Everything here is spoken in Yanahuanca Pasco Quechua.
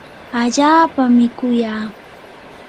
allaapami kuyaa.